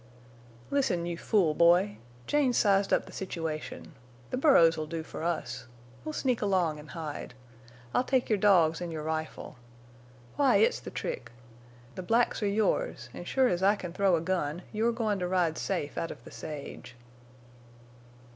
"Listen—you fool boy! Jane's sized up the situation. The burros'll do for us. We'll sneak along an' hide. I'll take your dogs an' your rifle. Why, it's the trick. The blacks are yours, an' sure as I can throw a gun you're goin' to ride safe out of the sage."